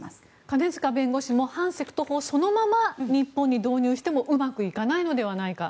金塚弁護士も反セクト法をそのまま日本に導入してもうまくいかないのではないか。